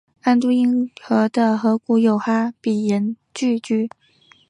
安都因河的河谷有哈比人聚居。